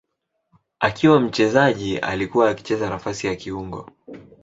Akiwa mchezaji alikuwa akicheza nafasi ya kiungo.